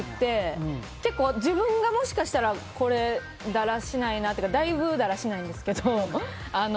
自分がもしかしたらこれ、だらしないなっていうかだいぶだらしないんですけど。